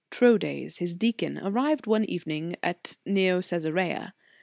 " Troades, his deacon, arrived one evening at Neocaesarea.